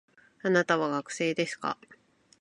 あなたは学生ですか